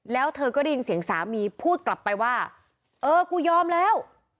แล้วเธอก็ได้ยินเสียงสามีพูดกลับไปว่าเออกูยอมแล้ว